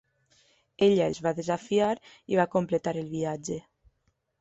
Ella els va desafiar i va completar el viatge.